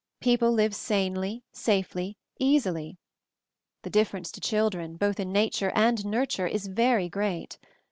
People live sanely, safely, easily. The difference to children, both in nature and nurture, is very great.